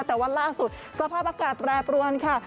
แต่ว่าล่าสุดสภาพอากาศแปรปรวนค่ะ